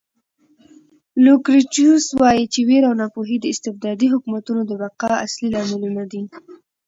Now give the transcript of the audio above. لوکریټیوس وایي چې وېره او ناپوهي د استبدادي حکومتونو د بقا اصلي لاملونه دي.